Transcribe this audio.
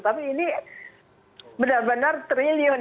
tapi ini benar benar triliun